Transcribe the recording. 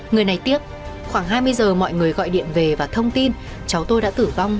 người này tiếc khoảng hai mươi giờ mọi người gọi điện về và thông tin cháu tôi đã tử vong